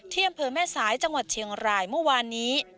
อำเภอแม่สายจังหวัดเชียงรายเมื่อวานนี้